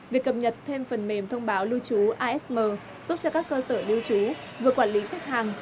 việc cập nhật thêm phần mềm thông báo lưu trú asm giúp cho các cơ sở lưu trú vừa quản lý khách hàng